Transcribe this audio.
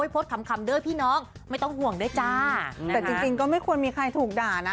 โพสต์คำคำเด้อพี่น้องไม่ต้องห่วงด้วยจ้าแต่จริงจริงก็ไม่ควรมีใครถูกด่านะ